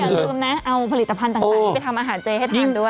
ดังนั้นกิสเขาอย่าลืมนะเอาผลิตภัณฑ์ต่างนี้ไปทำอาหารเจให้ทันด้วย